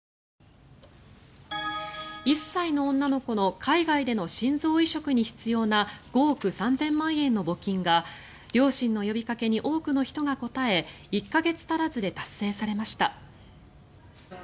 １歳の女の子の海外での心臓移植に必要な５億３０００万円の募金が両親の呼びかけに多くの人が応え１か月足らずで達成されました。